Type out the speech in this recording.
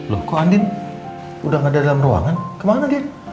loh kok andin udah gak ada dalam ruangan kemana dia